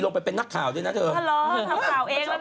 เราลองไปติดตาม